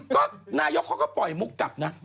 ก็นายกเขาก็ปล่อยมุกกลับนะ